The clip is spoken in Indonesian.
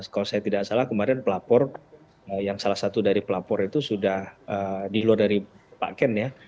kalau saya tidak salah kemarin pelapor yang salah satu dari pelapor itu sudah di luar dari pak ken ya